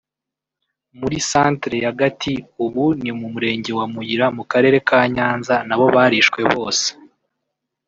muri Centre ya Gati ubu ni mu Murenge wa Muyira mu Karere ka Nyanza nabo barishwe bose